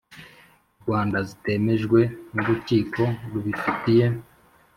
Rwanda zitemejwe nUrukiko rubifitiye